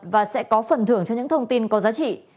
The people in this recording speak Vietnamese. và sẽ có phần thưởng cho những thông tin có giá trị